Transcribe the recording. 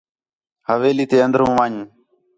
حویلی تے اندر ون٘ڄ